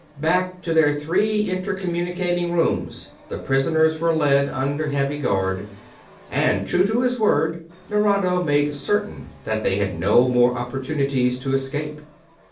Back to their three inter communicating rooms the prisoners were led under heavy guard; and, true to his word, Nerado made certain that they had no more opportunities to escape.